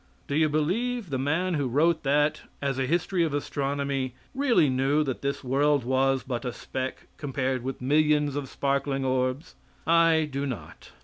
Do you believe the man who wrote that as a history of astronomy really knew that this world was but a speck compared with millions of sparkling orbs? I do not.